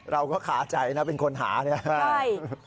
เราก็ขาใจนะเป็นคนหาเนี่ยใช่